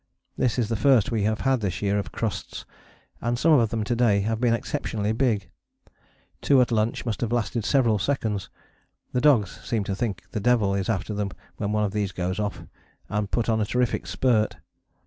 This is the first we have had this year of crusts, and some of them to day have been exceptionally big: two at lunch must have lasted several seconds. The dogs seem to think the devil is after them when one of these goes off, and put on a terrific spurt.